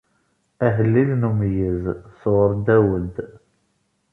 Ahellil n umeyyez, sɣur Dawed.